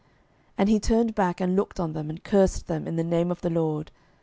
12:002:024 And he turned back, and looked on them, and cursed them in the name of the LORD.